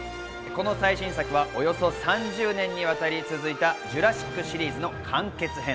この最新作はおよそ３０年にわたり続いた『ジュラシック』シリーズの完結編。